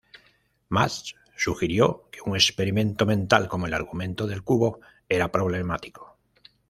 Mach sugirió que un experimento mental como el argumento del cubo era problemático.